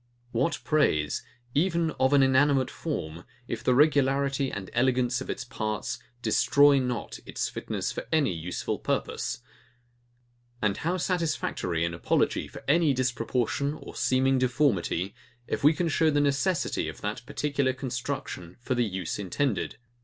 What praise, even of an inanimate form, if the regularity and elegance of its parts destroy not its fitness for any useful purpose! And how satisfactory an apology for any disproportion or seeming deformity, if we can show the necessity of that particular construction for the use intended!